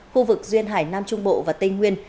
khu vực duyên hải nam trung bộ và tây nguyên